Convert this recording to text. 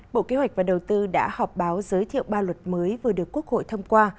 bộ kế hoạch và đầu tư đã họp báo giới thiệu ba luật mới vừa được quốc hội thông qua